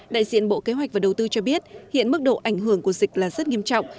đại diện bộ kế hoạch và đầu tư cho biết hiện mức độ ảnh hưởng của dịch là rất nghiêm trọng